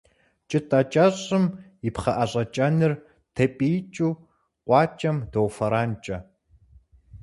Кӏытӏэ кӏэщӏым и пхъэӏэщэ кӏэныр тепӏиикӏыу къуакӏэм доуфэранкӏэ.